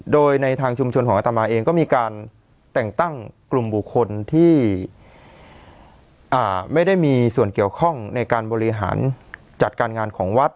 โดยในทางชุมชนของอัตมาเองก็มีการแต่งตั้งกลุ่มบุคคลที่ไม่ได้มีส่วนเกี่ยวข้องในการบริหารจัดการงานของวัด